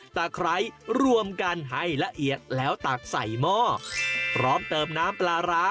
ไคร้รวมกันให้ละเอียดแล้วตักใส่หม้อพร้อมเติมน้ำปลาร้า